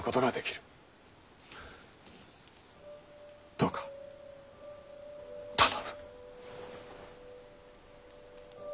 どうか頼む。